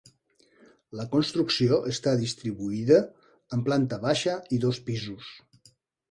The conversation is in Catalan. La construcció està distribuïda en planta baixa i dos pisos.